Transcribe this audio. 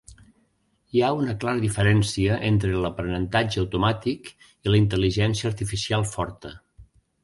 Hi ha una clara diferència entre l'aprenentatge automàtic i la intel·ligència artificial forta.